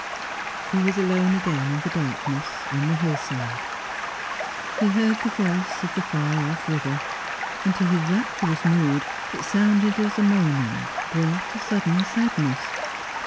He was alone again in the darkness, on the hillside. He heard the voice of the far off river, and to his rapturous mood it sounded as a moaning, brought a sudden sadness.